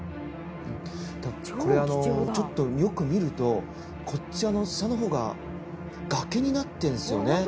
ちょっとよく見るとこっち下の方が崖になってんすよね。